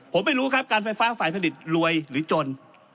ผมไม่รู้ครับการไฟฟ้าฝ่ายผลิตรวยหรือจน